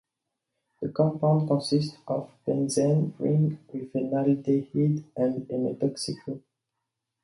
The compound consists of a benzene ring with an aldehyde and a methoxy group.